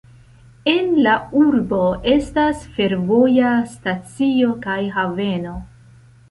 En la urbo estas fervoja stacio kaj haveno.